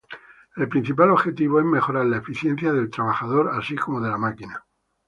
El principal objetivo es mejorar la eficiencia del trabajador así como de la máquina.